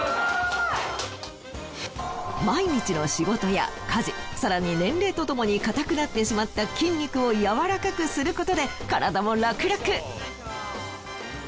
毎日の仕事や家事更に年齢とともに硬くなってしまった筋肉を柔らかくすることで体もラクラク。